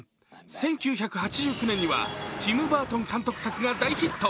１９８９年にはティム・バートン監督作が大ヒット。